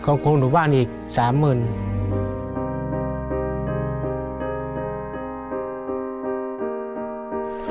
กองคลุมดุบ้านอีก๓๐๐๐๐บาท